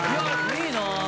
いいな。